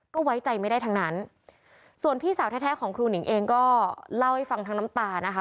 ก็ไว้ใจไม่ได้ทั้งนั้นส่วนพี่สาวแท้ของครูหนิงเองก็เล่าให้ฟังทั้งน้ำตานะคะ